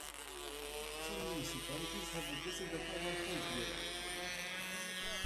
Some municipalities have requested that mobile homes be allowed.